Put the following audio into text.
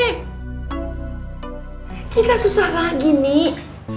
kita susah lagi nih